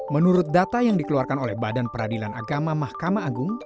menurut data yang dikeluarkan oleh badan peradilan agama mahkamah agung